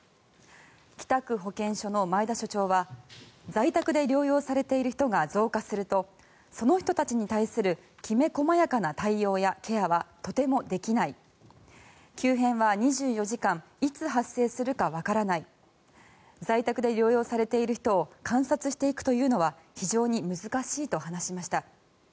北区保健所の前田所長は在宅で療養されている人が増加するとその人たちに対するきめ細やかな対応やケアはとてもできない急変は２４時間いつ発生するかわからない在宅で療養されている人を観察していくというのは非常に難しいと話しました。